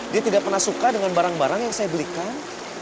dia tidak pernah suka dengan barang barang yang saya belikan